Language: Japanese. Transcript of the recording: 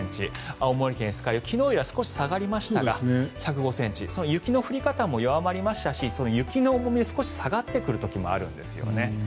青森県酸ケ湯昨日よりは少し下がりましたが１０５ｃｍ雪の降り方も弱まりましたし雪の重みで下がってくるところもあるんですよね。